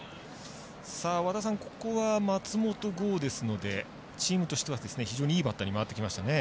ここは松本剛ですのでチームとしては非常にいいバッターに回ってきましたね。